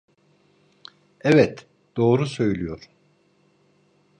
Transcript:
Evet, doğru söylüyor.